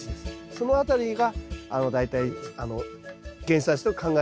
その辺りが大体原産地と考えられている例が多いですね。